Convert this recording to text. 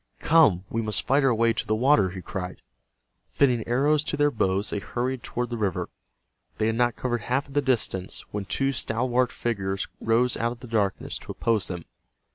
"Come, we must fight our way to the water!" he cried. Fitting arrows to their bows they hurried toward the river. They had not covered half of the distance, when two stalwart figures rose out of the darkness to oppose them.